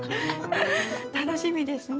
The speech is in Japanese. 楽しみですね。